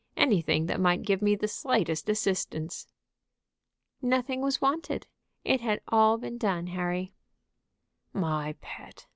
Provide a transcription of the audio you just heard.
Anything that might give me the slightest assistance." "Nothing was wanted; it had all been done, Harry." "My pet!